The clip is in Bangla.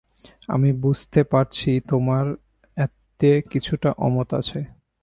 আমি বুঝতে পারছি তোমার এতে কিছুটা অমত আছে।